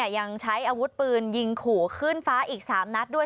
ยังใช้อาวุธปืนยิงขู่ขึ้นฟ้าอีก๓นัดด้วย